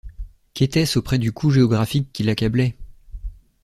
Qu’était-ce auprès du coup géographique qui l’accablait!